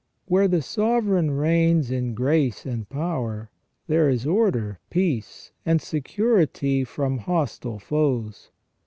323 Where the sovereign reigns in grace and power, there is order, peace, and security from hostile foes.